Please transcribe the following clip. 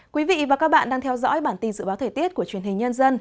quý vị và các bạn đang theo dõi bản tin dự báo thời tiết của truyền hình nhân dân